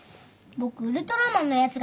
僕ウルトラマンのやつがいい。